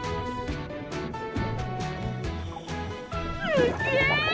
すっげえ！